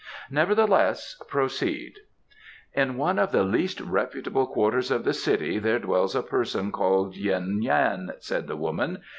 "Nevertheless, proceed." "In one of the least reputable quarters of the city there dwells a person called Yuen Yan," said the woman.